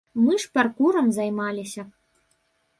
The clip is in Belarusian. Мы ж паркурам займаліся.